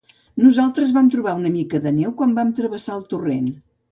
Nosaltres vam trobar una mica de neu quan vam travessar el torrent.